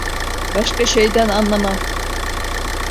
Başka şeyden anlamam!